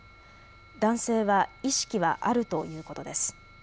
男性は意識はあるということです。